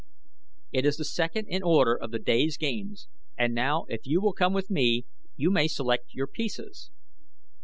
"It is the second in order of the day's games; and now if you will come with me you may select your pieces."